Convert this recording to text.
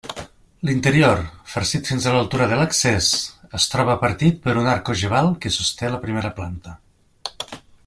L'interior, farcit fins a l'altura de l'accés, es troba partit per un arc ogival que sosté la primera planta.